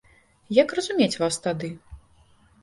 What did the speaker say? Як разумець вас тады?